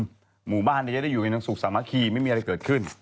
แต่จะได้อยู่ในทางสู่สามัคคีไม่มีอะไรเกิดขึ้น